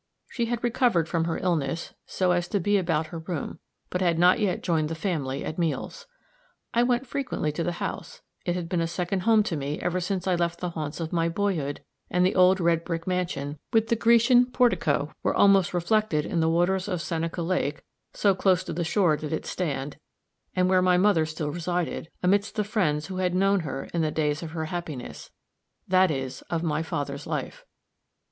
She had recovered from her illness, so as to be about her room, but had not yet joined the family at meals. I went frequently to the house; it had been a second home to me ever since I left the haunts of my boyhood and the old red brick mansion, with the Grecian portico, whose massive pillars were almost reflected in the waters of Seneca lake, so close to the shore did it stand and where my mother still resided, amidst the friends who had known her in the days of her happiness that is, of my father's life.